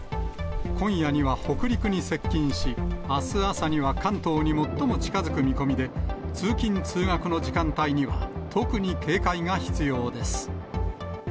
今夜には北陸に接近し、あす朝には関東に最も近づく見込みで、通勤・通学の時間帯には、特に警戒が必要です。